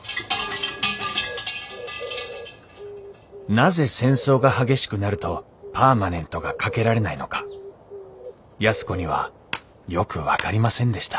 なぜ戦争が激しくなるとパーマネントがかけられないのか安子にはよく分かりませんでした